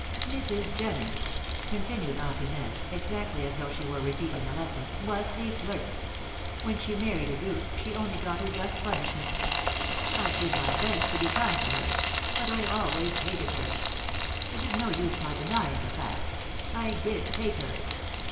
"Mrs. Jenner," continued Aunt Inez, exactly as though she were repeating a lesson, "was a flirt. When she married a brute, she only got her just punishment. I did my best to be kind to her; but I always hated her. It is no use my denying the fact I did hate her!